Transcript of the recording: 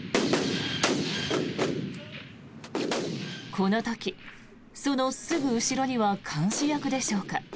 この時、そのすぐ後ろには監視役でしょうか。